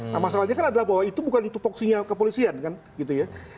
nah masalahnya kan adalah bahwa itu bukan tupoksinya kepolisian kan gitu ya